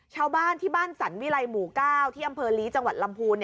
ชาวบ้านที่บ้านสรรวิลัยหมู่๙ที่อำเภอลีจังหวัดลำพูน